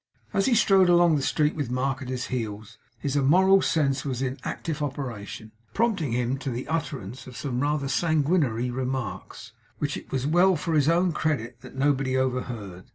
As he strode along the street, with Mark at his heels, his immoral sense was in active operation; prompting him to the utterance of some rather sanguinary remarks, which it was well for his own credit that nobody overheard.